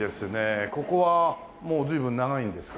ここはもう随分長いんですか？